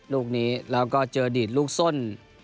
ลูกนี้แล้วก็เจอดีดลูกส้น